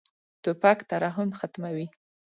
توپک ترحم ختموي.